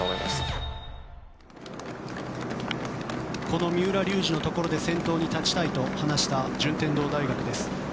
この三浦龍司のところで先頭に立ちたいと話した順天堂大学です。